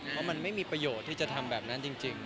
เพราะมันไม่มีประโยชน์ที่จะทำแบบนั้นจริง